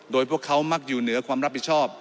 โดยพวกเขามักอยู่เหนือความรับผิดชอบ